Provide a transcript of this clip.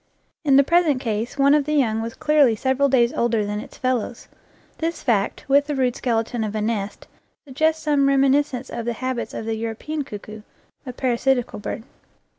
In the present case one of the young was clearly several days older than its fellows. This fact, with the rude skeleton of a nest, suggests some reminiscence of the habits of the European cuckoo, a parasitical bird.